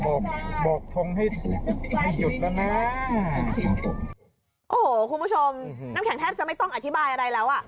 โอ้โหคุณผู้ชมน้ำแข็งแทบจะไม่ต้องอธิบายอะไรแล้ว